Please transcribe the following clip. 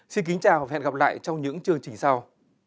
xin kính chào và hẹn gặp lại trong những chương trình sau